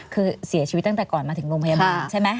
คือเสียชีวิตตั้งแต่ก่อนมาถึงโรงพยาบาลใช่ไหม